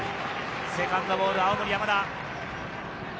セカンドボール、青森山田。